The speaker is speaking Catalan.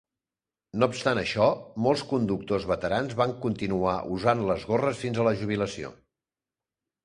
No obstant això, molts conductors veterans van continuar usant les gorres fins a la jubilació.